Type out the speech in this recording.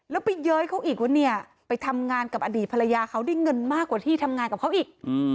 แล้วไปเย้ยเขาอีกว่าเนี่ยไปทำงานกับอดีตภรรยาเขาได้เงินมากกว่าที่ทำงานกับเขาอีก